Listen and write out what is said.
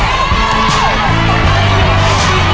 สุดท้ายแล้วครับ